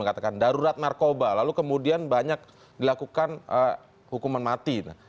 katakan darurat narkoba lalu kemudian banyak dilakukan hukuman mati